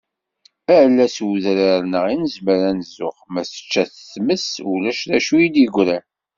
Ala s udrar-nneɣ i nezmer ad nzux, ma tečča-t tmes ulac dacu i d-yegran